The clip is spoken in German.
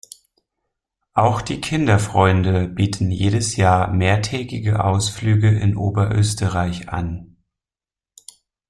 Auch die Kinderfreunde bieten jedes Jahr mehrtägige Ausflüge in Oberösterreich an.